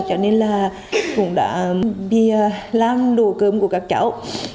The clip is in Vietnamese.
cho nên là cũng đã đi làm đồ cơm của các cháu